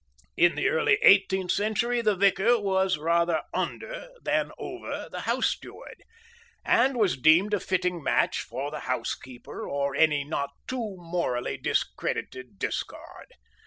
In the early eighteenth century the vicar was rather under than over the house steward, and was deemed a fitting match for the housekeeper or any not too morally discredited discard.